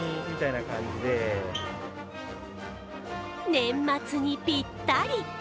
年末にぴったり。